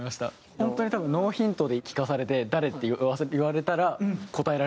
本当に多分ノーヒントで聴かされて誰って言われたら答えられる。